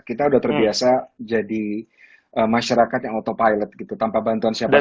kita udah terbiasa jadi masyarakat yang auto pilot gitu tanpa bantuan siapa siapa